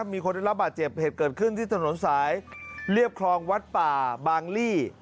มีคนได้รับบาดเจ็บเหตุเกิดขึ้นที่ถนนสายเรียบคลองวัดป่าบางลี่